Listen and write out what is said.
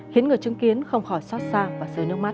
khiến người chứng kiến không khỏi xót xa và dưới nước mắt